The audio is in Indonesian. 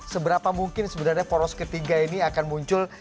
seberapa mungkin sebenarnya proses ke tiga ini akan muncul